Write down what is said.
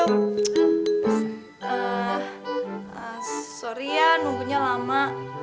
sorry ya nunggunya lama